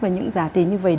và những giá trị như vậy